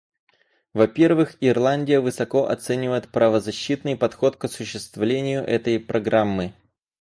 Во-первых, Ирландия высоко оценивает правозащитный подход к осуществлению этой Программы.